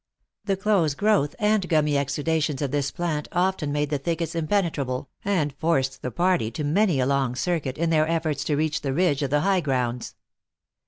The close growth and gummy exuda tions of this plant often made the thickets impene trable, and forced the party to many a long circuit, in their efforts to reach the ridge of the high grounds.